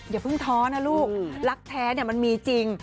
อย่าเพิ่งท้อนะลูกรักแท้มันมีจริง